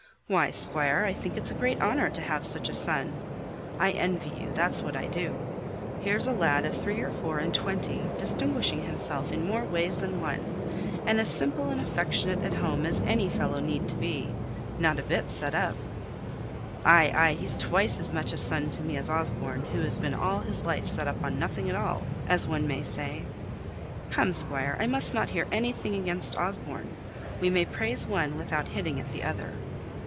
"Why, Squire, I think it a great honour to have such a son. I envy you, that's what I do. Here's a lad of three or four and twenty distinguishing himself in more ways than one, and as simple and affectionate at home as any fellow need to be not a bit set up." "Ay, ay; he's twice as much a son to me as Osborne, who has been all his life set up on nothing at all, as one may say." "Come, Squire, I mustn't hear anything against Osborne; we may praise one, without hitting at the other.